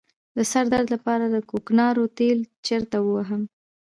د سر درد لپاره د کوکنارو تېل چیرته ووهم؟